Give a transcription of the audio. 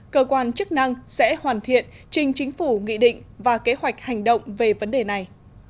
cơ quan chức năng sẽ hoàn thiện trình chính phủ nghị định và kế hoạch hành động về vấn đề này